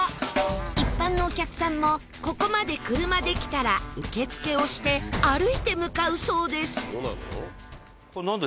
一般のお客さんもここまで車で来たら受付をして歩いて向かうそうです